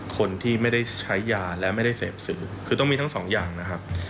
คนที่ไม่ได้ใช้ยาและไม่ได้เสพสื่อคือต้องมีทั้งสองอย่างนะครับ